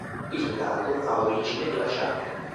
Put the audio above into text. Il lago ha origine glaciale.